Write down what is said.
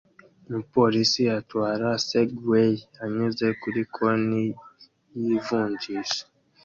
Umupolisi atwara Segway anyuze kuri konti y'ivunjisha